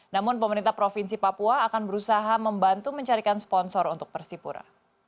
namun pemerintah provinsi papua akan berusaha membantu mencarikan sponsor untuk persipura